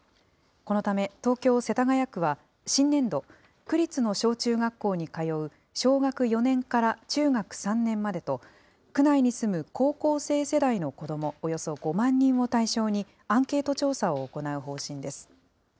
このため、東京・世田谷区は新年度、区立の小中学校に通う小学４年から中学３年までと、区内に住む高校生世代の子どもおよそ５万人を対象に、アンケート調査を行う方針です。